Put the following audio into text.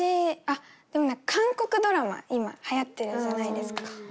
あっでも韓国ドラマ今はやってるじゃないですか。